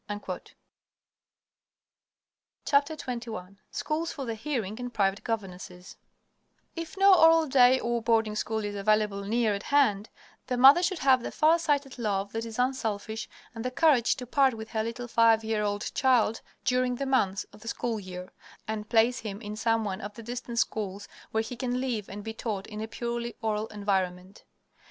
XXI SCHOOLS FOR THE HEARING AND PRIVATE GOVERNESSES If no oral day or boarding school is available near at hand, the mother should have the far sighted love that is unselfish, and the courage to part with her little five year old child during the months of the school year, and place him in some one of the distant schools where he can live and be taught in a purely oral environment.